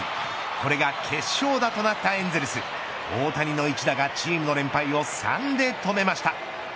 これが決勝打となったエンゼルス大谷の一打がチームの連敗を３で止めました。